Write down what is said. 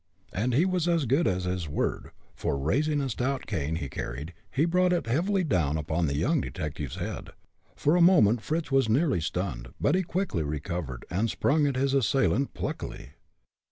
And he was as good as his word, for, raising a stout cane he carried, he brought it heavily down upon the young detective's head. For a moment Fritz was nearly stunned, but he quickly recovered, and sprung at his assailant, pluckily.